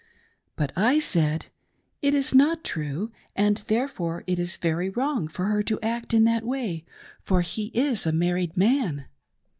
" But," I said, " it is not true, and therefore it is very wrong for her to act in that way, for he is a married man.